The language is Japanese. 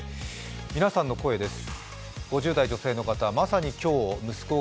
皆さんの声です。